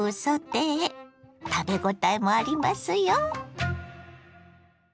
食べごたえもありますよ。